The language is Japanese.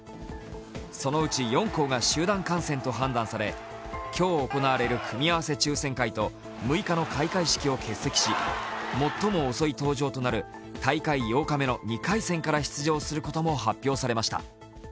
そのうち４校が集団感染と判断され今日行われる組み合わせ抽選会と６日の開会式を欠席し、最も遅い登場となる大会８日目の２回戦から出場することも発表されました。